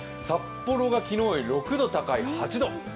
札幌が昨日より６度高い８度。